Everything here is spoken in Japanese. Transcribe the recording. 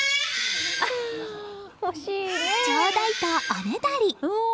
ちょうだい！とおねだり。